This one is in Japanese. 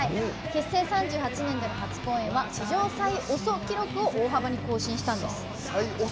結成３８年での初公演は史上最遅記録を大幅に更新したんです。